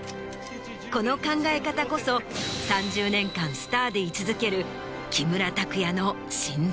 この考え方こそ３０年間スターで居続ける。